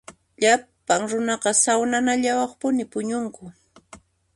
Llapan runaqa sawnanallayuqpuni puñunku.